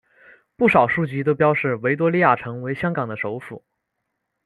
不少书籍都标示维多利亚城为香港的首府。